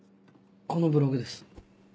このブログです。